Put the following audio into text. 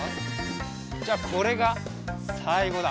じゃあこれがさいごだ。